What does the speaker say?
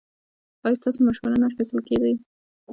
ایا ستاسو مشوره نه اخیستل کیږي؟